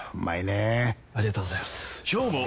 ありがとうございます！